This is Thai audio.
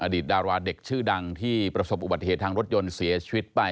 ดาราเด็กชื่อดังที่ประสบอุบัติเหตุทางรถยนต์เสียชีวิตไป